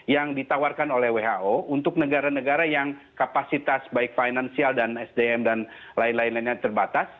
yang ditawarkan oleh who untuk negara negara yang kapasitas baik finansial dan sdm dan lain lainnya terbatas